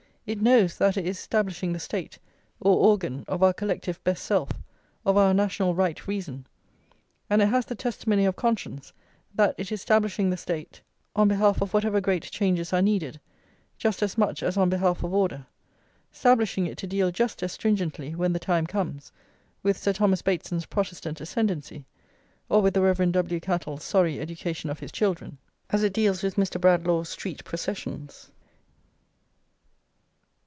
It knows that it is stablishing the State, or organ of our collective best self, of our national right reason; and it has the testimony of conscience that it is stablishing the State on behalf of whatever great changes are needed, just as much as on behalf of order; stablishing it to deal just as stringently, when the time comes, with Sir Thomas Bateson's Protestant ascendency, or with the Rev. W. Cattle's sorry education of his children, as it deals with Mr. Bradlaugh's street processions.